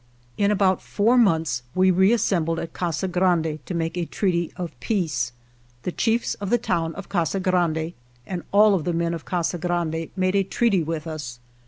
In about four months we reassembled at ^t Casa Grande to make a treaty of peace. The chiefs of the town of Casa Grande, and all of the men of Casa Grande, made a treaty with us.